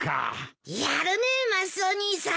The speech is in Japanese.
やるねマスオ兄さん。